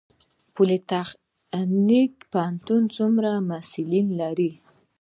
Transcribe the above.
پولي تخنیک پوهنتون څومره محصلین لري؟